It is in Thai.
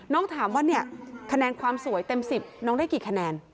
น้องถามว่าคะแนนความสวยเต็ม๑๐น้องได้กี่คะแนน